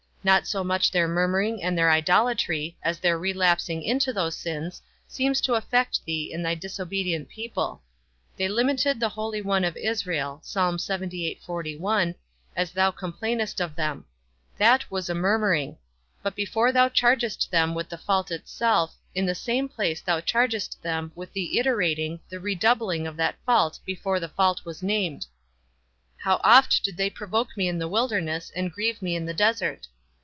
Not so much their murmuring and their idolatry, as their relapsing into those sins, seems to affect thee in thy disobedient people. They limited the holy One of Israel, as thou complainest of them: that was a murmuring; but before thou chargest them with the fault itself, in the same place thou chargest them with the iterating, the redoubling of that fault before the fault was named; _How oft did they provoke me in the wilderness, and grieve me in the desert?